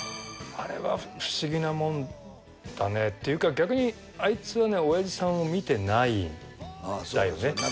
あれは不思議なもんだねっていうか逆にアイツはねおやじさんを見てないんだよね。